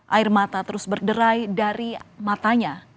air mata terus berderai dari matanya